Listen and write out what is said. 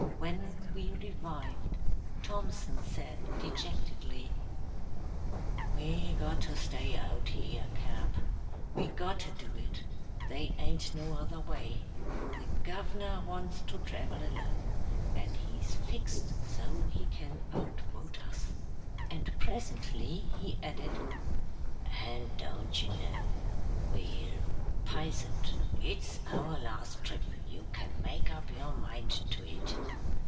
When we revived, Thompson said dejectedly, "We got to stay out here, Cap. We got to do it. They ain't no other way. The Governor wants to travel alone, and he's fixed so he can outvote us." And presently he added, "And don't you know, we're pisoned. It's our last trip, you can make up your mind to it.